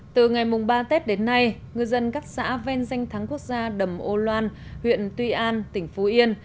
từ ngày ba tết đến nay ngư dân các xã ven danh thắng quốc gia đầm âu loan huyện tuy an tỉnh phú yên